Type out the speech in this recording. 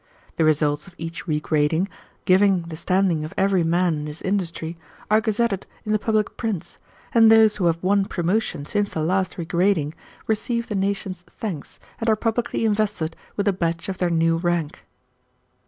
The results of each regrading, giving the standing of every man in his industry, are gazetted in the public prints, and those who have won promotion since the last regrading receive the nation's thanks and are publicly invested with the badge of their new rank."